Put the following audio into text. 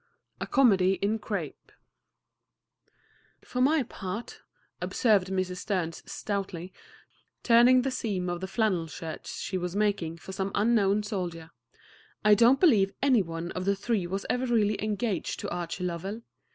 A COMEDY IN CRAPE "For my part," observed Mrs. Sterns stoutly, turning the seam of the flannel shirt she was making for some unknown soldier, "I don't believe any one of the three was ever really engaged to Archie Lovell.